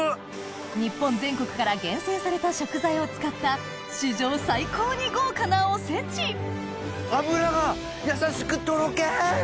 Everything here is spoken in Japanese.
日本全国から厳選された食材を使った史上最高に豪華なおせち脂がやさしくとろける。